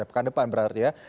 pekan depan berarti ya